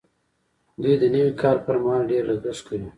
دوی د نوي کال پر مهال ډېر لګښت کوي.